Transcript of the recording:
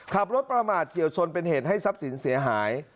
ขับรถประมาทเฉียวชนเป็นเหตุให้ทรัพย์สินเสียหาย